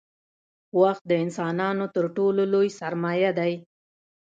• وخت د انسانانو تر ټولو لوی سرمایه دی.